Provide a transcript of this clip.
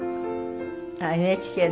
ＮＨＫの。